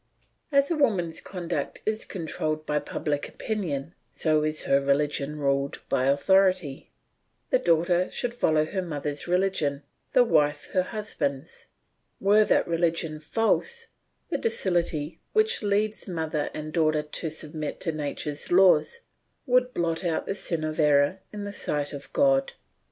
As a woman's conduct is controlled by public opinion, so is her religion ruled by authority. The daughter should follow her mother's religion, the wife her husband's. Were that religion false, the docility which leads mother and daughter to submit to nature's laws would blot out the sin of error in the sight of God.